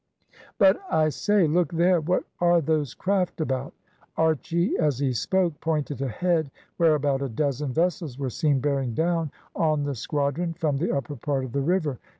"But, I say! look there! what are those craft about?" Archy, as he spoke, pointed ahead, where about a dozen vessels were seen bearing down on the squadron from the upper part of the river.